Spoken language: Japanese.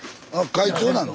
会長なの？